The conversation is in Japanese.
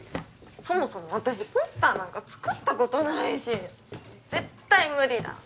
そもそも私ポスターなんか作ったことないし絶対無理だ。